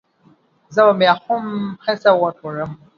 زه به بيا هم هڅه وکړم